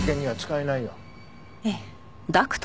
ええ。